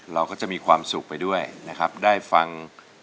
เราก็จะมีความสุขไปด้วยนะครับได้ฟัง